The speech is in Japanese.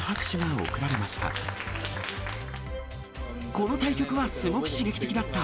この対局はすごく刺激的だった。